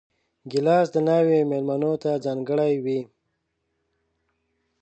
ګیلاس د ناوې مېلمنو ته ځانګړی وي.